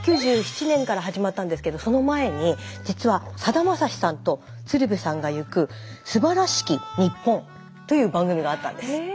９７年から始まったんですけどその前に実はさだまさしさんと鶴瓶さんが行く「素晴らしきニッポン」という番組があったんです。